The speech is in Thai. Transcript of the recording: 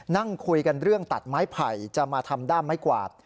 นั่งคุยกันเรื่องตัดไม้ไผ่จะมาทำด้ามไม้กวาด